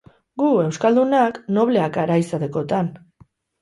Gu, euskaldunak, nobleak gara, izatekotan!